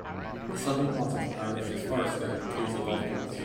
The southern part of the parish is forested and includes a golf course.